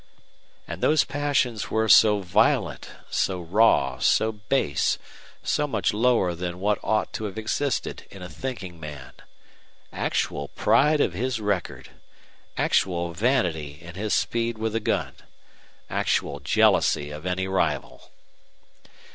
And those passions were so violent, so raw, so base, so much lower than what ought to have existed in a thinking man. Actual pride of his record! Actual vanity in his speed with a gun. Actual jealousy of any rival!